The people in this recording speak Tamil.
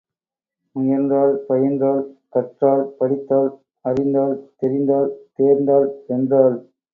முயன்றாள், பயின்றாள், கற்றாள், படித்தாள், அறிந்தாள், தெரிந்தாள், தேர்ந்தாள், வென்றாள்.